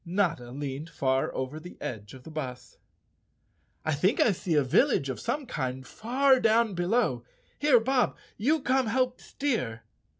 Notta leaned far over the edge of the bus. "I think I see a village of some kind far down below. Here, Bob, you come help steer."